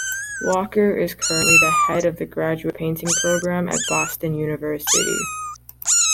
Walker is currently the head of the graduate painting program at Boston University.